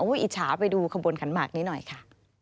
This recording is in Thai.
อุ๊ยอิจฉาไปดูข้างบนขันมากนี้หน่อยค่ะ